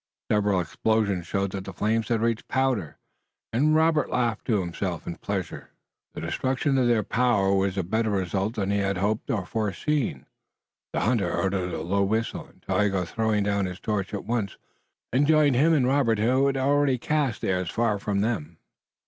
Several explosions showed that the flames had reached powder, and Robert laughed to himself in pleasure. The destruction of their powder was a better result than he had hoped or foreseen. The hunter uttered a low whistle and Tayoga throwing down his torch, at once joined him and Robert who had already cast theirs far from them.